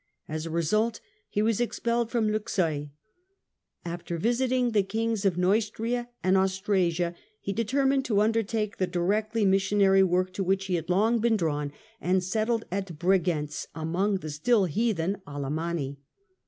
As a result he was expelled from Luxeuil. After visit ing the kings of Xeustria and Australia he determined to undertake the directly missionary work to which he had long been drawn and settled at Bregentz among the still heathen Alemanni.